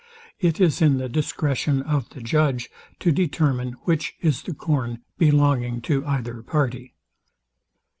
It is in the discretion of the judge to determine which is the corn belonging to either party.)